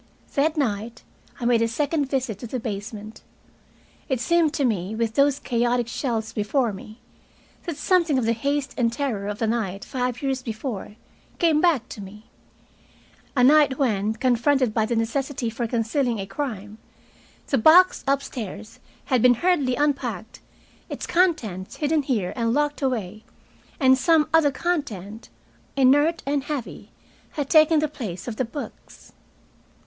That night I made a second visit to the basement. It seemed to me, with those chaotic shelves before me, that something of the haste and terror of a night five years before came back to me, a night when, confronted by the necessity for concealing a crime, the box upstairs had been hurriedly unpacked, its contents hidden here and locked away, and some other content, inert and heavy, had taken the place of the books.